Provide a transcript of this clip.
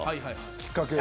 きっかけは？